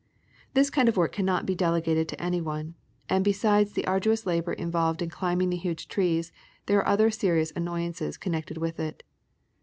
This kind of work cannot be delegated to anyone, and besides the arduous labor involved in climbing the huge trees, there are other serious annoyances connected with it.